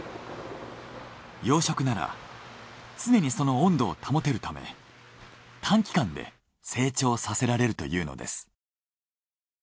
養殖なら常にその温度を保てるため短期間で成長させられるというのです。